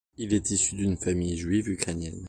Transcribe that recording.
Il est issu d'une famille juive ukrainienne.